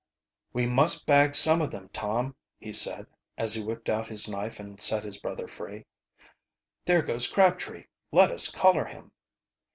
"We must bag some of them, Tom," he said, as he whipped out his knife and set his brother free. "There goes Crabtree let us collar him."